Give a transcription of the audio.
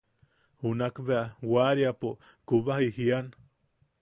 Junakbea wariapo kubaji jian.